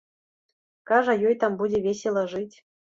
Кажа, ёй там будзе весела жыць.